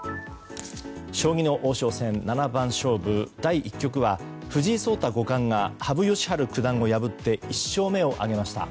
将棋の王将戦七番勝負第１局は藤井聡太五冠が羽生善治九段を破って１勝目を挙げました。